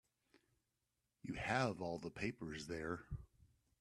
You have all the papers there.